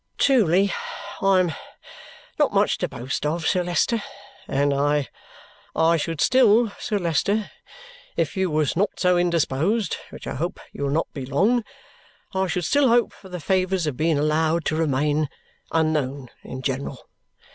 "Truly I am not much to boast of, Sir Leicester, and I I should still, Sir Leicester, if you was not so indisposed which I hope you will not be long I should still hope for the favour of being allowed to remain unknown in general.